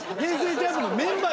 ＪＵＭＰのメンバー。